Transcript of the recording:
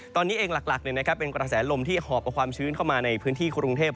ตอนนี้เองหลักเป็นกระแสลมที่หอบเอาความชื้นเข้ามาในพื้นที่กรุงเทพ